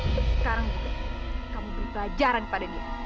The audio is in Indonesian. sekarang buto kamu beri pelajaran kepada dia